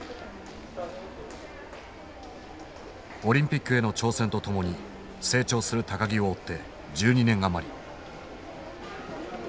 オリンピックへの挑戦とともに成長する木を追って１２年余り。